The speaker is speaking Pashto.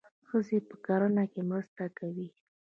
ښځې په کرنه کې مرسته کوي.